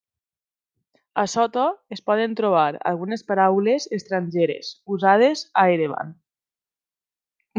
A sota es poden trobar algunes paraules estrangeres usades a Erevan.